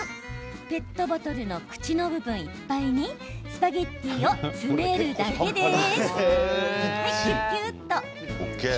ペットボトルの口の部分いっぱいにスパゲッティを詰めるだけです。